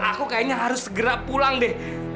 aku kayaknya harus segera pulang deh